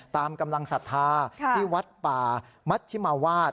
ตามกำลังศรัทธาที่วัดป่ามัชชิมาวาด